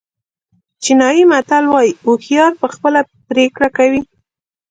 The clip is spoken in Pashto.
چینایي متل وایي هوښیار په خپله پرېکړه کوي.